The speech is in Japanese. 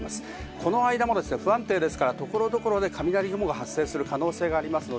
この間も不安定ですから、所々で雷雲が発生する恐れがあります。